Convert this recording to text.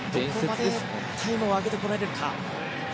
どこまでタイムを上げてこれるか。